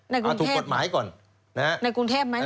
ในกรุงเทพฯเหรอในกรุงเทพฯไหม